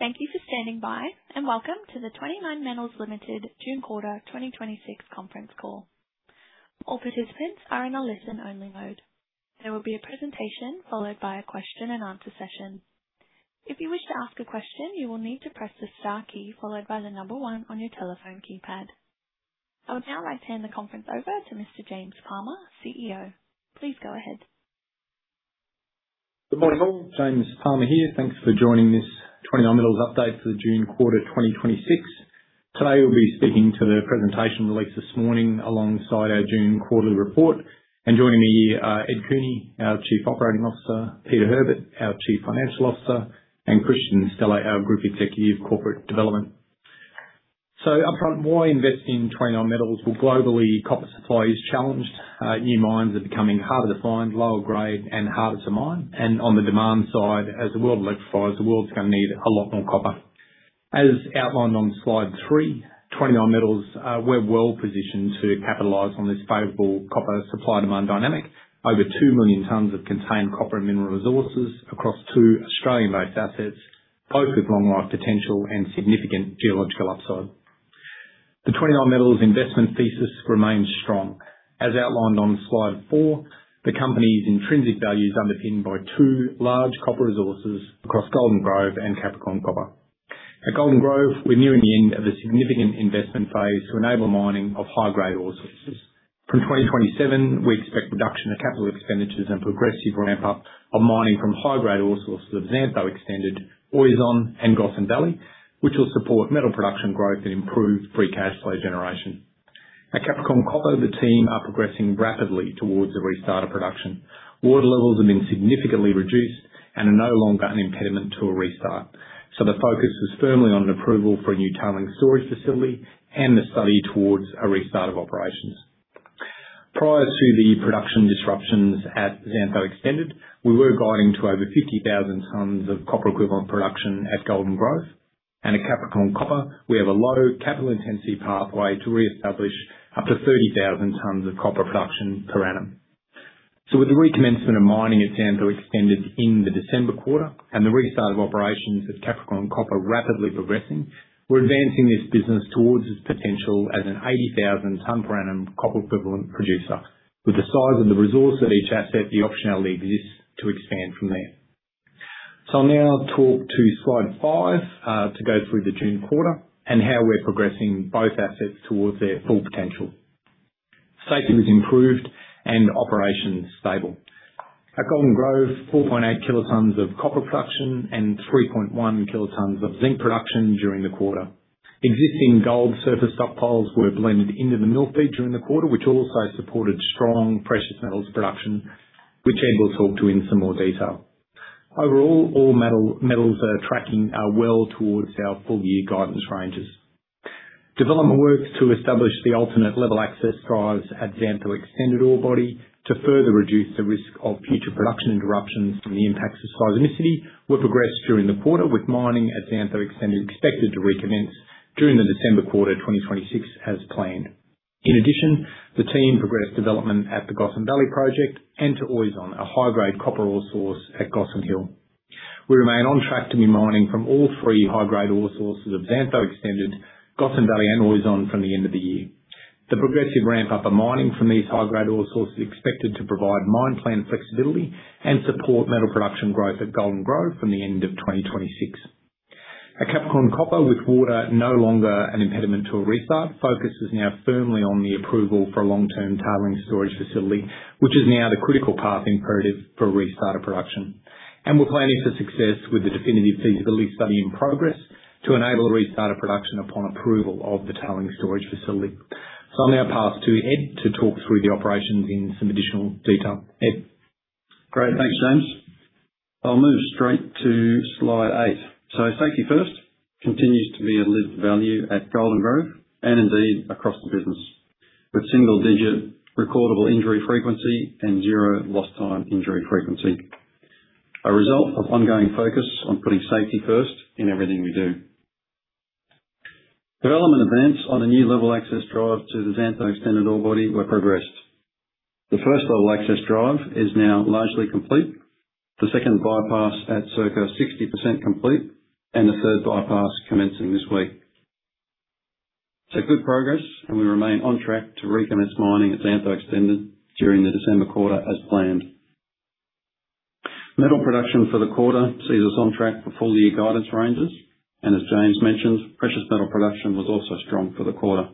Thank you for standing by, and welcome to the 29Metals Limited June quarter 2026 conference call. All participants are in a listen-only mode. There will be a presentation followed by a question and answer session. If you wish to ask a question, you will need to press the star key followed by the number one on your telephone keypad. I would now like to hand the conference over to Mr. James Palmer, Chief Executive Operator. Please go ahead. Good morning, all. James Palmer here. Thanks for joining this 29Metals update for the June quarter 2026. Today, we'll be speaking to the presentation released this morning alongside our June quarterly report. Joining me are Ed Cooney, our Chief Operating Officer, Peter Herbert, our Chief Financial Officer, and Kristian Stella, our Group Executive Corporate Development. Upfront, why invest in 29Metals? Globally, copper supply is challenged. New mines are becoming harder to find, lower grade, and harder to mine. On the demand side, as the world electrifies, the world's going to need a lot more copper. As outlined on slide three, 29Metals, we're well-positioned to capitalize on this favorable copper supply-demand dynamic. Over 2 million tons of contained copper and mineral resources across two Australian-based assets, both with long life potential and significant geological upside. The 29Metals investment thesis remains strong. As outlined on slide four, the company's intrinsic value is underpinned by two large copper resources across Golden Grove and Capricorn Copper. At Golden Grove, we're nearing the end of a significant investment phase to enable mining of high-grade ore sources. From 2027, we expect reduction of capital expenditures and progressive ramp-up of mining from high-grade ore sources of Xantho Extended, Oizon, and Gossan Valley, which will support metal production growth and improve free cash flow generation. At Capricorn Copper, the team are progressing rapidly towards the restart of production. Water levels have been significantly reduced and are no longer an impediment to a restart, the focus is firmly on approval for a new tailings storage facility and the study towards a restart of operations. Prior to the production disruptions at Xantho Extended, we were guiding to over 50,000 tons of copper equivalent production at Golden Grove. At Capricorn Copper, we have a low capital intensity pathway to reestablish up to 30,000 tons of copper production per annum. With the recommencement of mining at Xantho Extended in the December quarter and the restart of operations at Capricorn Copper rapidly progressing, we're advancing this business towards its potential as an 80,000 tons per annum copper equivalent producer. With the size of the resource at each asset, the optionality exists to expand from there. I'll now talk to slide five, to go through the June quarter and how we're progressing both assets towards their full potential. Safety was improved and operations stable. At Golden Grove, 4.8 kilotons of copper production and 3.1 kilotons of zinc production during the quarter. Existing gold surface stockpiles were blended into the mill feed during the quarter, which also supported strong precious metals production, which Ed will talk to in some more detail. Overall, all metals are tracking well towards our full-year guidance ranges. Development works to establish the alternate level access drives at Xantho Extended ore body to further reduce the risk of future production interruptions from the impacts of seismicity were progressed during the quarter, with mining at Xantho Extended expected to recommence during the December quarter 2026 as planned. The team progressed development at the Gossan Valley project and to Oizon, a high-grade copper ore source at Gossan Hill. We remain on track to be mining from all three high-grade ore sources of Xantho Extended, Gossan Valley and Oizon from the end of the year. The progressive ramp-up of mining from these high-grade ore sources is expected to provide mine plan flexibility and support metal production growth at Golden Grove from the end of 2026. At Capricorn Copper with water no longer an impediment to a restart, focus is now firmly on the approval for a long-term tailings storage facility, which is now the critical path imperative for restart of production. We're planning for success with the definitive feasibility study in progress to enable the restart of production upon approval of the tailings storage facility. I'll now pass to Ed to talk through the operations in some additional detail. Ed? Great. Thanks, James. I'll move straight to slide eight. Safety first continues to be a lived value at Golden Grove and indeed across the business. With single-digit recordable injury frequency and zero lost time injury frequency, a result of ongoing focus on putting safety first in everything we do. Development events on a new level access drive to the Xantho Extended ore body were progressed. The first level access drive is now largely complete, the second bypass at circa 60% complete, and the third bypass commencing this week. Good progress, and we remain on track to recommence mining at Xantho Extended during the December quarter as planned. Metal production for the quarter sees us on track for full-year guidance ranges, and as James mentioned, precious metal production was also strong for the quarter.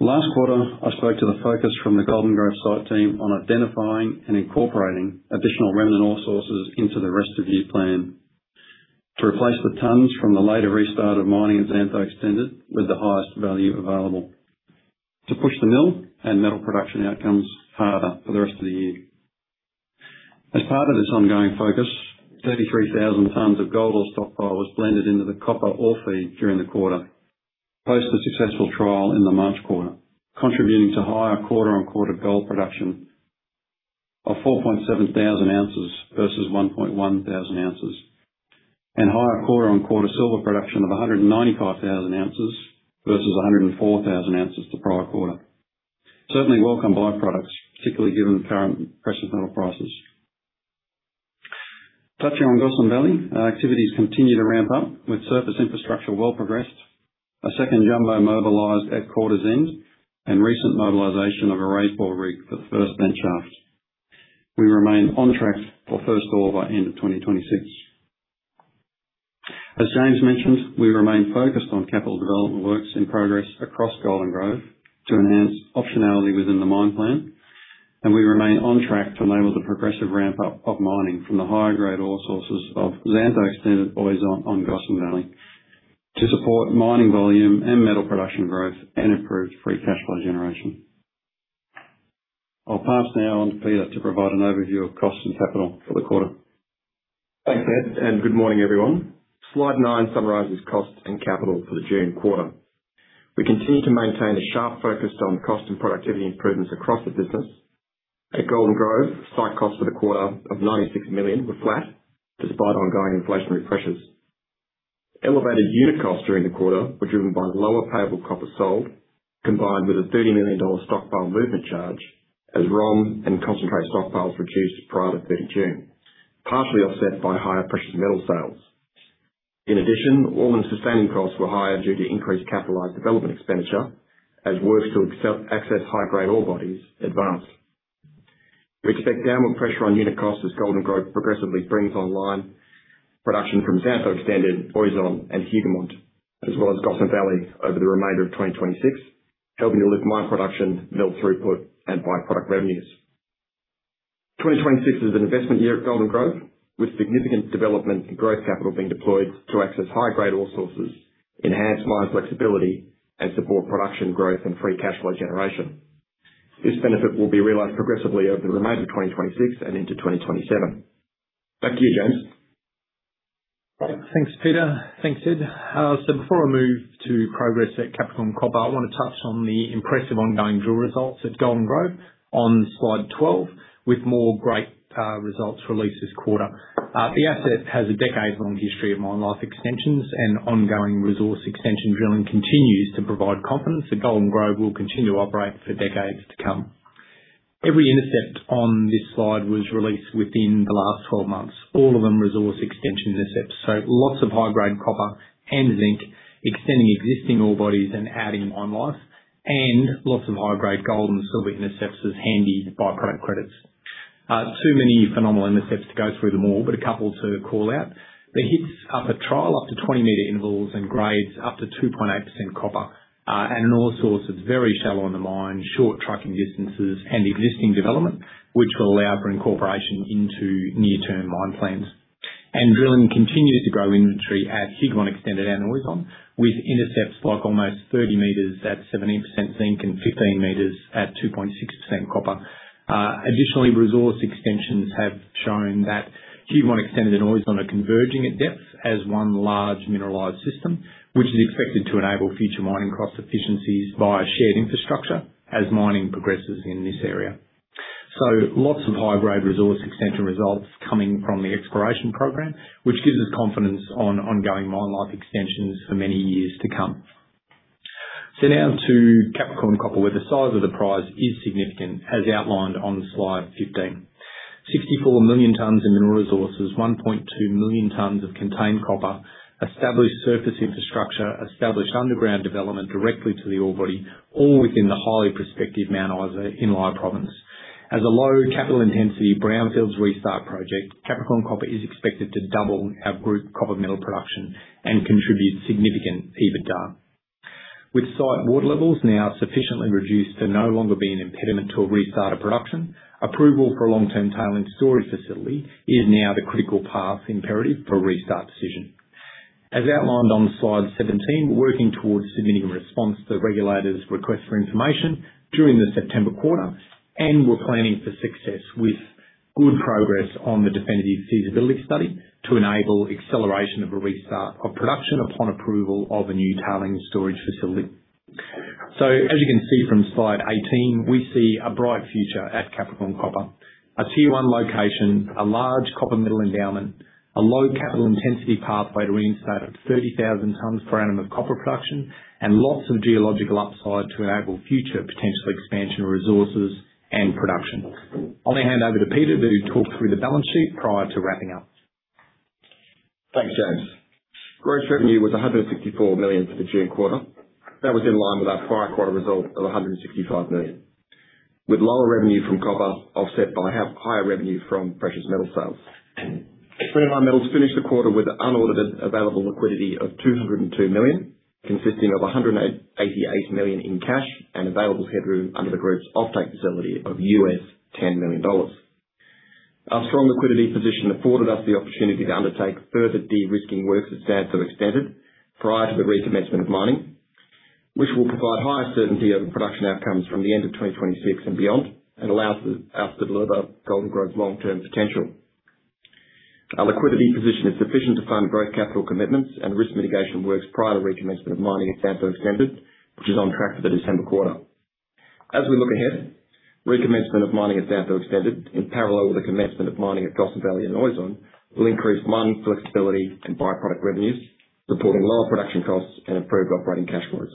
Last quarter, I spoke to the focus from the Golden Grove site team on identifying and incorporating additional remnant ore sources into the rest of year plan to replace the tons from the later restart of mining at Xantho Extended with the highest value available to push the mill and metal production outcomes harder for the rest of the year. As part of this ongoing focus, 33,000 tons of gold ore stockpile was blended into the copper ore feed during the quarter, post a successful trial in the March quarter, contributing to higher quarter-on-quarter gold production of 4.7,000 ounces versus 1.1,000 ounces. Higher quarter-on-quarter silver production of 195,000 ounces versus 104,000 ounces the prior quarter. Certainly welcome byproducts, particularly given the current precious metal prices. Touching on Gossan Valley, our activities continue to ramp up, with surface infrastructure well progressed, a second jumbo mobilized at Quarter's End, and recent mobilization of a raise-bore rig for the first bench shaft. We remain on track for first ore by end of 2026. As James mentioned, we remain focused on capital development works in progress across Golden Grove to enhance optionality within the mine plan. We remain on track to enable the progressive ramp-up of mining from the higher-grade ore sources of Xantho Extended, Oizon on Gossan Valley to support mining volume and metal production growth and improve free cash flow generation. I'll pass now on to Peter to provide an overview of cost and capital for the quarter. Thanks, Ed, good morning, everyone. Slide nine summarizes cost and capital for the June quarter. We continue to maintain a sharp focus on cost and productivity improvements across the business. At Golden Grove, site costs for the quarter of 96 million were flat despite ongoing inflationary pressures. Elevated unit costs during the quarter were driven by lower payable copper sold, combined with an 30 million dollar stockpile movement charge as ROM and concentrate stockpiles reduced prior to 30 June, partially offset by higher precious metal sales. In addition, All-in sustaining costs were higher due to increased capitalized development expenditure as works to access high-grade ore bodies advanced. We expect downward pressure on unit costs as Golden Grove progressively brings online production from Xantho Extended, Oizon, and Hougoumont, as well as Gossan Valley over the remainder of 2026, helping to lift mine production, mill throughput, and byproduct revenues. 2026 is an investment year at Golden Grove, with significant development and growth capital being deployed to access high-grade ore sources, enhance mine flexibility, and support production growth and free cash flow generation. This benefit will be realized progressively over the remainder of 2026 and into 2027. Back to you, James. Thanks, Peter. Thanks, Ed. Before I move to progress at Capricorn Copper, I want to touch on the impressive ongoing drill results at Golden Grove on slide 12, with more great results released this quarter. The asset has a decades-long history of mine life extensions and ongoing resource extension drilling continues to provide confidence that Golden Grove will continue to operate for decades to come. Every intercept on this slide was released within the last 12 months, all of them resource extension intercepts. Lots of high-grade copper and zinc extending existing ore bodies and adding mine life, lots of high-grade gold and silver intercepts as handy byproduct credits. Too many phenomenal intercepts to go through them all, a couple to call out. The hits up a trial up to 20-meter intervals and grades up to 2.8% copper, an ore source that's very shallow in the mine, short trucking distances and existing development, which will allow for incorporation into near-term mine plans. Drilling continues to grow inventory at Hougoumont Extended and Oizon, with intercepts like almost 30 meters at 17% zinc and 15 meters at 2.6% copper. Additionally, resource extensions have shown that Hougoumont Extended and Oizon are converging at depth as one large mineralized system, which is expected to enable future mining cost efficiencies via shared infrastructure as mining progresses in this area. Lots of high-grade resource extension results coming from the exploration program, which gives us confidence on ongoing mine life extensions for many years to come. Now to Capricorn Copper, where the size of the prize is significant, as outlined on slide 15. 64 million tons in mineral resources, 1.2 million tons of contained copper, established surface infrastructure, established underground development directly to the ore body, all within the highly prospective Mount Isa inlier province. As a low capital intensity brownfields restart project, Capricorn Copper is expected to double our group copper metal production and contribute significant EBITDA. With site water levels now sufficiently reduced to no longer be an impediment to a restart of production, approval for a long-term tailings storage facility is now the critical path imperative for a restart decision. As outlined on slide 17, we're working towards submitting a response to the regulator's request for information during the September quarter, we're planning for success with good progress on the definitive feasibility study to enable acceleration of a restart of production upon approval of a new tailings storage facility. As you can see from slide 18, we see a bright future at Capricorn Copper. A Tier 1 location, a large copper metal endowment, a low capital intensity pathway to reinstate 30,000 tons per annum of copper production, lots of geological upside to enable future potential expansion resources and production. I'll now hand over to Peter to talk through the balance sheet prior to wrapping up. Thanks, James. Gross revenue was 164 million for the June quarter. That was in line with our prior quarter result of 165 million. With lower revenue from copper offset by higher revenue from precious metal sales. 29Metals finished the quarter with unaudited available liquidity of AUD 202 million, consisting of AUD 188 million in cash and available headroom under the group's offtake facility of $10 million. Our strong liquidity position afforded us the opportunity to undertake further de-risking works at Xantho Extended prior to the recommencement of mining, which will provide higher certainty over production outcomes from the end of 2026 and beyond and allow us to deliver Golden Grove's long-term potential. Our liquidity position is sufficient to fund growth capital commitments and risk mitigation works prior to recommencement of mining at Xantho Extended, which is on track for the December quarter. As we look ahead, recommencement of mining at Xantho Extended in parallel with the commencement of mining at Gossan Valley and Oizon will increase mining flexibility and byproduct revenues, reporting lower production costs and improved operating cash flows.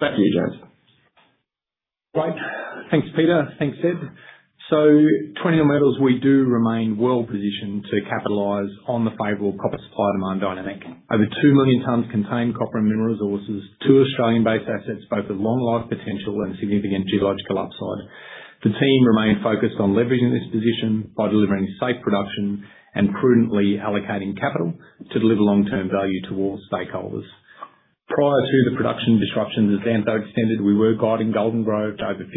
Back to you, James. Great. Thanks, Peter. Thanks, Ed. 29Metals, we do remain well-positioned to capitalize on the favorable copper supply-demand dynamic. We have over 2 million tons contained copper and mineral resources, two Australian-based assets, both with long life potential and significant geological upside. The team remain focused on leveraging this position by delivering safe production and prudently allocating capital to deliver long-term value towards stakeholders. Prior to the production disruptions at Xantho Extended, we were guiding Golden Grove to over 50,000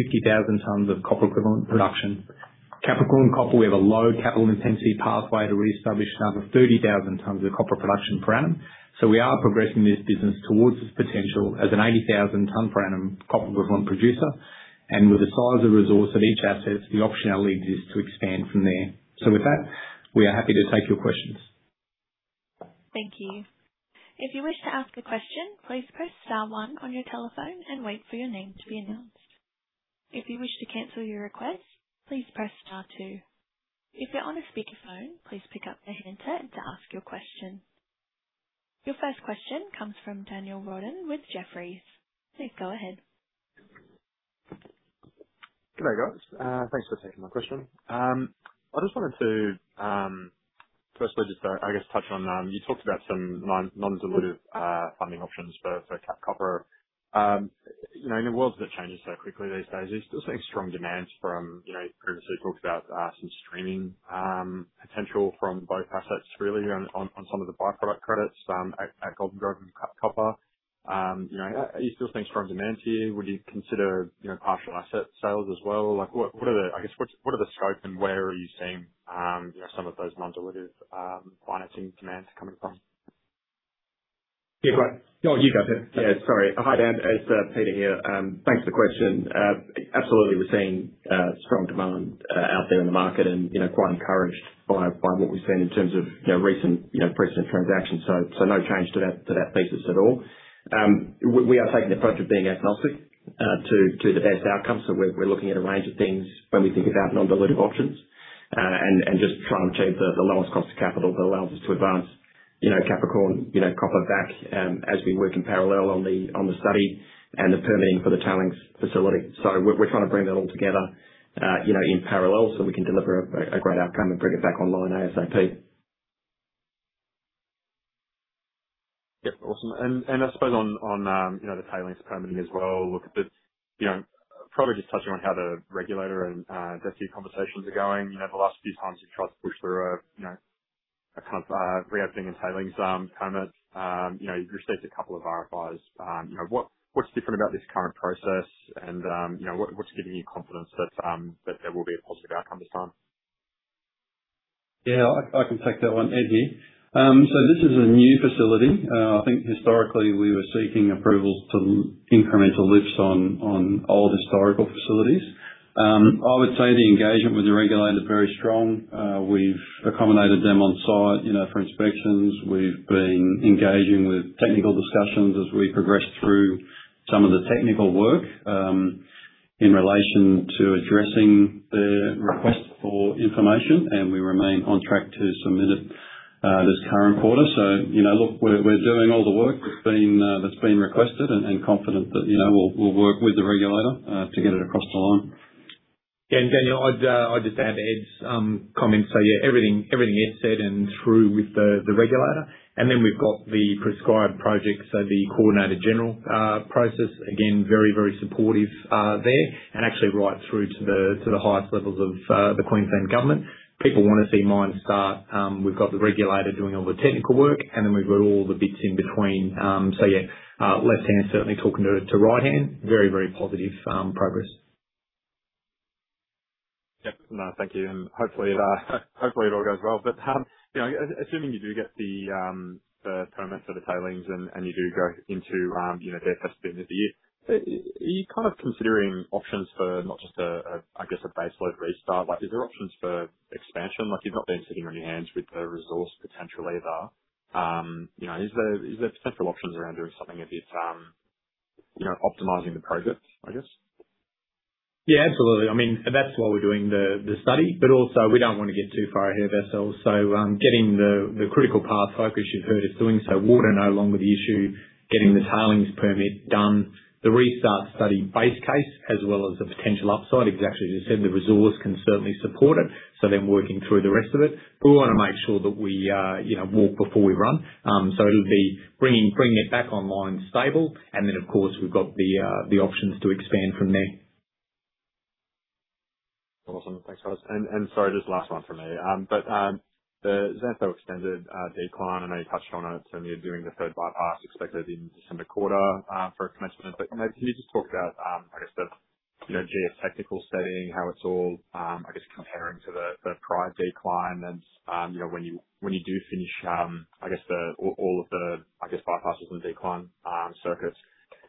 tons of copper equivalent production. Capricorn Copper, we have a low capital intensity pathway to reestablish 30,000 tons of copper production per annum. We are progressing this business towards its potential as an 80,000 tons per annum copper equivalent producer, and with the size of resource at each asset, the optionality exists to expand from there. With that, we are happy to take your questions. Thank you. If you wish to ask a question, please press star one on your telephone and wait for your name to be announced. If you wish to cancel your request, please press star two. If you are on a speakerphone, please pick up the handset to ask your question. Your first question comes from Daniel Roden with Jefferies. Please go ahead. Good day, guys. Thanks for taking my question. I wanted to firstly, I guess, touch on, you talked about some non-dilutive funding options for Cap Copper. In a world that changes so quickly these days, are you still seeing strong demands from, you previously talked about some streaming potential from both assets really on some of the byproduct credits at Golden Grove and Cap Copper. Are you still seeing strong demand here? Would you consider partial asset sales as well? What are the scope and where are you seeing some of those non-dilutive financing demands coming from? Great. You go. Sorry. Hi, Dan. It's Peter here. Thanks for the question. Absolutely, we're seeing strong demand out there in the market and quite encouraged by what we've seen in terms of recent precedent transactions. No change to that thesis at all. We are taking the approach of being agnostic to the best outcome. We're looking at a range of things when we think about non-dilutive options, and just try and achieve the lowest cost of capital that allows us to advance Capricorn Copper back, as we work in parallel on the study and the permitting for the tailings facility. We're trying to bring that all together in parallel so we can deliver a great outcome and bring it back online ASAP. Yep, awesome. I suppose on the tailings permitting as well, look, probably just touching on how the regulator and DESI conversations are going. The last few times you've tried to push through a kind of reopening and tailings permit. You've received a couple of RFIs. What's different about this current process and what's giving you confidence that there will be a positive outcome this time? I can take that one. Ed here. This is a new facility. I think historically, we were seeking approval for some incremental lifts on old historical facilities. I would say the engagement with the regulator is very strong. We've accommodated them on-site for inspections. We've been engaging with technical discussions as we progress through some of the technical work, in relation to addressing their request for information, and we remain on track to submit it this current quarter. Look, we're doing all the work that's been requested and confident that we'll work with the regulator to get it across the line. Yeah. Daniel, I'd just add Ed's comments. Yeah, everything Ed said and through with the regulator. We've got the prescribed project, so the Coordinated project, again, very supportive there and actually right through to the highest levels of the Queensland Government. People want to see mines start. We've got the regulator doing all the technical work, we've got all the bits in between. Yeah, left hand is certainly talking to right hand. Very positive progress. Yep. No, thank you. Hopefully, it all goes well. Assuming you do get the permits for the tailings and you do go into their first year of the year, are you kind of considering options for not just, I guess, a baseload restart? Is there options for expansion? Like, you've not been sitting on your hands with the resource potential either. Is there potential options around doing something a bit, optimizing the projects, I guess? Yeah, absolutely. I mean, that's why we're doing the study, we don't want to get too far ahead of ourselves. Getting the critical path focused, you've heard us doing so, water no longer the issue, getting the tailings permit done, the restart study base case, as well as the potential upside, exactly as you said, the resource can certainly support it. Working through the rest of it. We want to make sure that we walk before we run. It'll be bringing it back online stable, of course, we've got the options to expand from there. Awesome. Thanks, guys. Sorry, just last one from me. The Xantho Extended decline, I know you touched on it, so you're doing the third bypass expected in December quarter for commencement. Can you just talk about, I guess, the geotechnical setting, how it's all, I guess, comparing to the prior decline and when you do finish, I guess, all of the bypasses and decline circuits,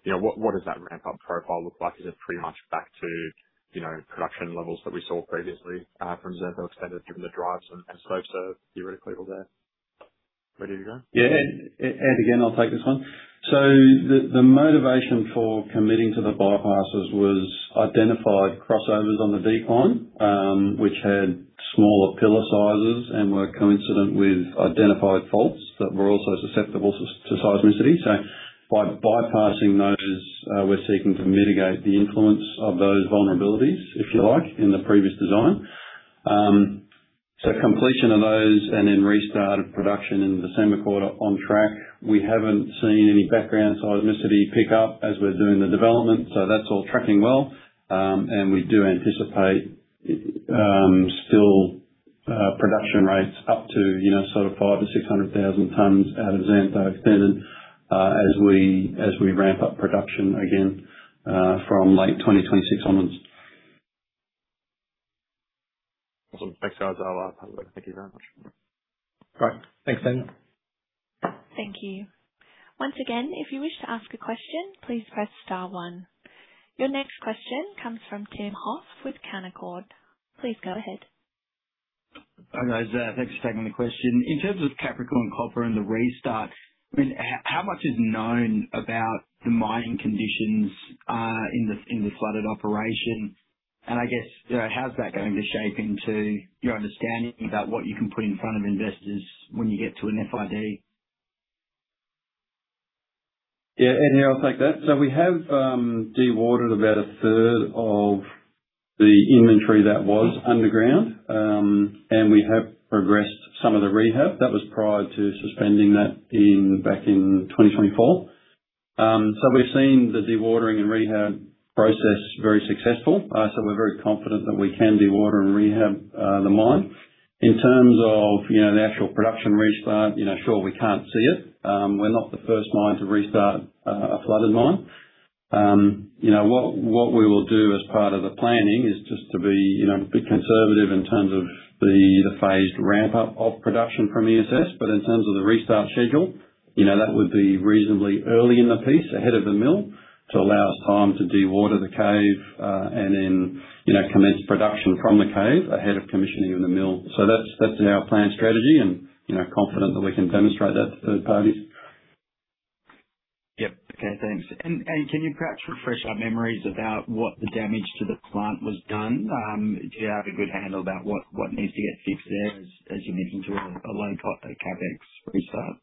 what does that ramp-up profile look like? Is it pretty much back to production levels that we saw previously from Xantho Extended given the drives and slopes are theoretically all there? Ready to go? Ed again, I'll take this one. The motivation for committing to the bypasses was identified crossovers on the decline, which had smaller pillar sizes and were coincident with identified faults that were also susceptible to seismicity. By bypassing those, we're seeking to mitigate the influence of those vulnerabilities, if you like, in the previous design. Completion of those and then restart of production in the December quarter on track. We haven't seen any background seismicity pick up as we're doing the development, that's all tracking well. We do anticipate still production rates up to five to 600,000 tons out of Xantho Extended as we ramp up production again from late 2026 onwards. Awesome. Thanks, guys. I'll pass it back. Thank you very much. Great. Thanks, Daniel. Thank you. Once again, if you wish to ask a question, please press star one. Your next question comes from Tim Hoff with Canaccord. Please go ahead. Hi, guys. Thanks for taking the question. In terms of Capricorn Copper and the restart, how much is known about the mining conditions in the flooded operation? I guess, how's that going to shape into your understanding about what you can put in front of investors when you get to an FID? Yeah, Ed here. I'll take that. We have dewatered about a third of the inventory that was underground. We have progressed some of the rehab. That was prior to suspending that back in 2024. We're seeing the dewatering and rehab process very successful. We're very confident that we can dewater and rehab the mine. In terms of the actual production restart, sure, we can't see it. We're not the first mine to restart a flooded mine. What we will do as part of the planning is just to be conservative in terms of the phased ramp-up of production from ESS. In terms of the restart schedule, that would be reasonably early in the piece ahead of the mill to allow us time to dewater the cave, and then commence production from the cave ahead of commissioning in the mill. That's our plan strategy, and confident that we can demonstrate that to third parties. Yep. Okay, thanks. Can you perhaps refresh our memories about what the damage to the plant was done? Do you have a good handle about what needs to get fixed there as you mentioned to a low-cost CapEx restart?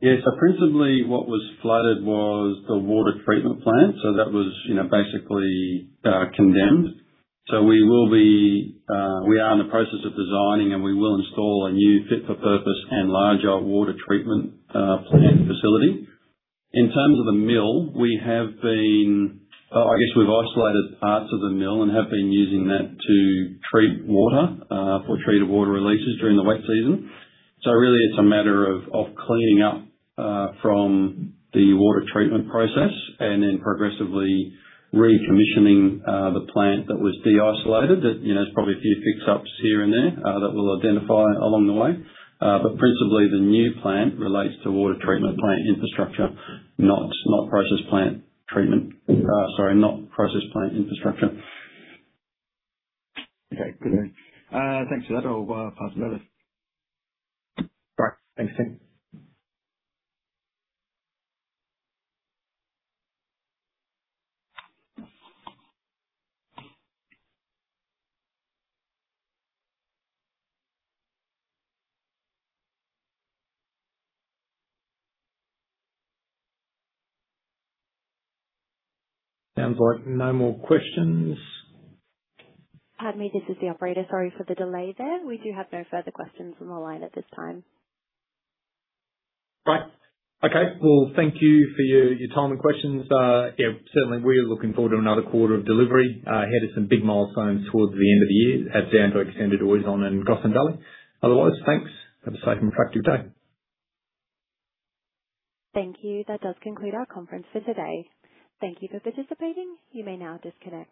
Yeah. Principally what was flooded was the water treatment plant. That was basically condemned. We are in the process of designing, and we will install a new fit-for-purpose and larger water treatment plant facility. In terms of the mill, I guess we've isolated parts of the mill and have been using that to treat water for treated water releases during the wet season. Really it's a matter of cleaning up from the water treatment process and then progressively recommissioning the plant that was de-isolated, that there's probably a few fix-ups here and there that we'll identify along the way. Principally, the new plant relates to water treatment plant infrastructure, not process plant treatment. Sorry, not process plant infrastructure. Okay, good then. Thanks for that. I'll pass it over. All right. Thanks, Tim. Sounds like no more questions. Pardon me. This is the operator. Sorry for the delay there. We do have no further questions on the line at this time. Great. Okay. Well, thank you for your time and questions. Yeah, certainly, we are looking forward to another quarter of delivery, headed some big milestones towards the end of the year at Xantho Extended, Oizon, and Gossan Valley. Otherwise, thanks. Have a safe and productive day. Thank you. That does conclude our conference for today. Thank you for participating. You may now disconnect.